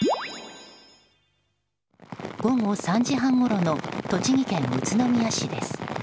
午後３時半ごろの栃木県宇都宮市です。